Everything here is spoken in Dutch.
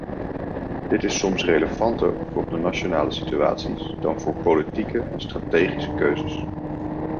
Dit is soms relevanter voor de nationale situaties dan voor politieke en strategische keuzes.